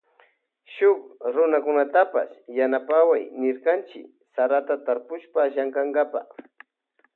Shuk runakunatapash yanapaway nirkanchi sarata tarpushpa llankankapa.